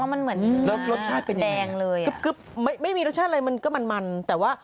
เมืองไทยมีร้านนึงซึ่งเขาแบบว่า